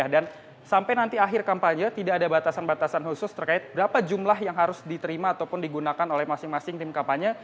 dan sampai nanti akhir kampanye tidak ada batasan batasan khusus terkait berapa jumlah yang harus diterima ataupun digunakan oleh masing masing tim kampanye